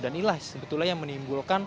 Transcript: dan inilah sebetulnya yang menimbulkan kendala